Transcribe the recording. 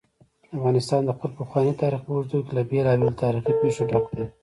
افغانستان د خپل پخواني تاریخ په اوږدو کې له بېلابېلو تاریخي پېښو ډک دی.